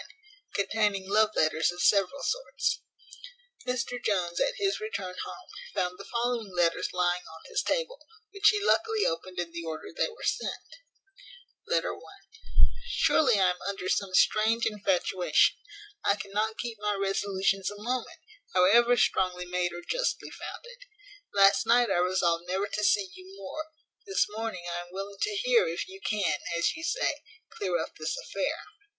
Chapter ix. Containing love letters of several sorts. Mr Jones, at his return home, found the following letters lying on his table, which he luckily opened in the order they were sent. LETTER I. "Surely I am under some strange infatuation; I cannot keep my resolutions a moment, however strongly made or justly founded. Last night I resolved never to see you more; this morning I am willing to hear if you can, as you say, clear up this affair.